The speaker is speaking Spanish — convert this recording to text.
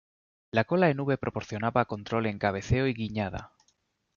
La cola en V proporcionaba control en cabeceo y guiñada.